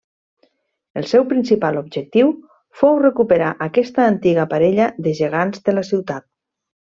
El seu principal objectiu fou recuperar aquesta antiga parella de gegants de la Ciutat.